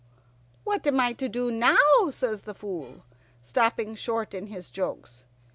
"What am I to do now?" says the Fool, stopping short in his jokes.